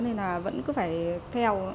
nên là vẫn cứ phải theo